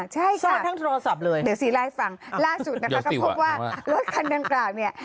ใช่ค่ะเดี๋ยวสิล่ายฟังล่าสุดนะคะก็พบว่ารถคันด้านกลางเนี่ย